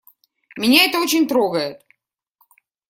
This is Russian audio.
Меня это очень трогает.